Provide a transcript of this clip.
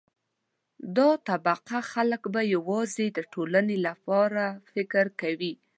دا طبقه خلک به یوازې د ټولنې لپاره فکر کوي.